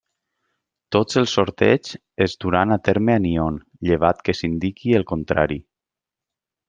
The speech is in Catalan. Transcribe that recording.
Tots els sorteigs es duran a terme a Nyon, llevat que s'indiqui el contrari.